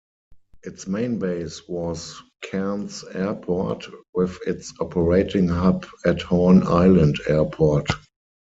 Its main base was Cairns Airport, with its operating hub at Horn Island Airport.